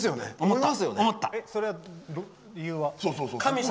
それは、理由は？